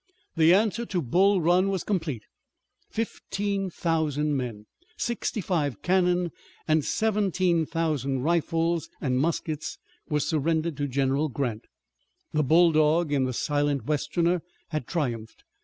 The answer to Bull Run was complete. Fifteen thousand men, sixty five cannon, and seventeen thousand rifles and muskets were surrendered to General Grant. The bulldog in the silent westerner had triumphed.